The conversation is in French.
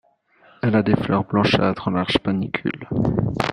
Elle a des fleurs blanchâtres en large panicule.